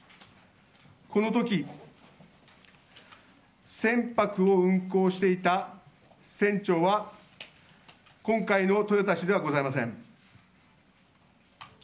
この時、船舶を運航していた船長は今回の豊田氏ではございません。